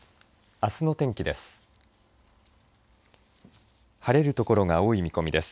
あすの天気です。